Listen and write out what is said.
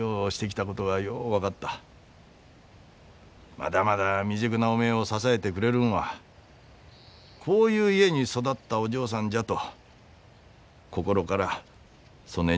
まだまだ未熟なおめえを支えてくれるんはこういう家に育ったお嬢さんじゃと心からそねえに思えた。